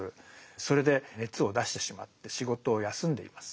それで熱を出してしまって仕事を休んでいます。